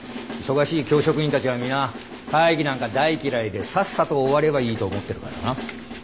忙しい教職員たちは皆会議なんか大嫌いでさっさと終わればいいと思ってるからな。